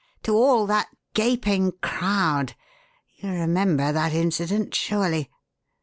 To all that gaping crowd! You remember that incident, surely?"